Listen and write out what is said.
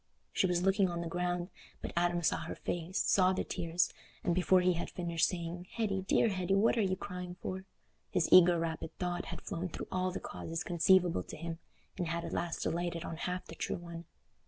She was looking on the ground, but Adam saw her face, saw the tears, and before he had finished saying, "Hetty, dear Hetty, what are you crying for?" his eager rapid thought had flown through all the causes conceivable to him, and had at last alighted on half the true one.